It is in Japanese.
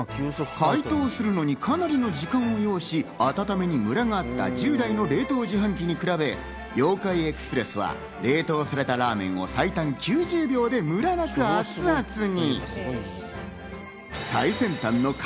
解凍するのにかなりの時間をようし、温めにムラがあった従来の冷凍自販機に比べ、Ｙｏ−ＫａｉＥｘｐｒｅｓｓは冷凍されたラーメンを最短９０秒でムラなく熱々に。